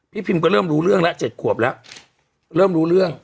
พิมก็เริ่มรู้เรื่องแล้ว๗ขวบแล้วเริ่มรู้เรื่อง